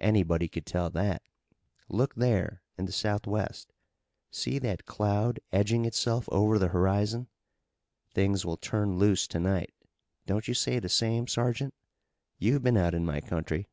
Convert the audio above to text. Anybody could tell that. Look there, in the southwest. See that cloud edging itself over the horizon. Things will turn loose to night. Don't you say the same, sergeant? You've been out in my country."